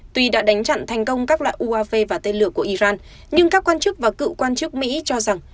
tuy đã đánh chặn thành công các loại uav và tên lửa của iran nhưng các quan chức và cựu quan chức mỹ cho rằng